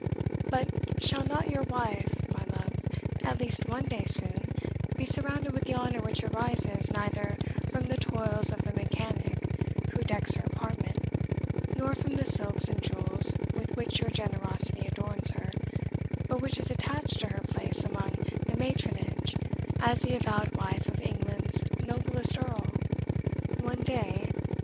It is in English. But shall not your wife, my love at least one day soon be surrounded with the honour which arises neither from the toils of the mechanic who decks her apartment, nor from the silks and jewels with which your generosity adorns her, but which is attached to her place among the matronage, as the avowed wife of England's noblest Earl?" "One day?"